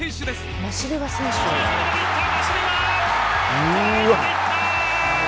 マシレワトライまで行った！